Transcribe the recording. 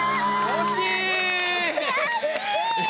惜しい！